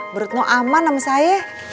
berutno aman sama saya